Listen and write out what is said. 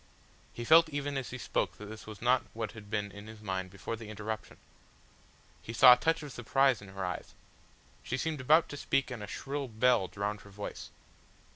He felt even as he spoke that this was not what had been in his mind before the interruption. He saw a touch of surprise in her eyes. She seemed about to speak and a shrill bell drowned her voice.